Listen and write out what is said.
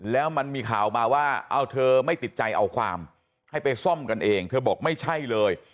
แล้วมันมีข่าวมาว่าเอาเธอไม่ติดใจเอาความให้ไปซ่อมกันเองเธอบอกไม่ใช่เลย